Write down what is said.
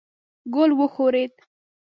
ګل وښورېد.